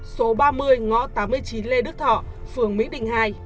số ba mươi ngõ tám mươi chín lê đức thọ phường mỹ đình hai